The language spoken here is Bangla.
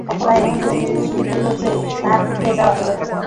অপরাহ্নে এমন জোরে বৃষ্টি শুরু হইল যে, তাঁহার ফিরিয়া যাওয়া হইল না।